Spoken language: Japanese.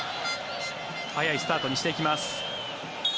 早いスタートにしていきます。